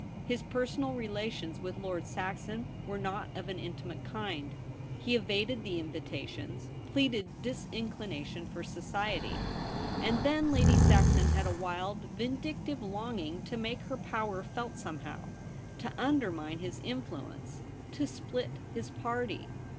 His personal relations with Lord Saxon were not of an intimate kind. He evaded the invitations, pleaded disinclination for society. And then Lady Saxon had a wild, vindictive longing to make her power felt somehow ; to undermine his influence ; to split his party.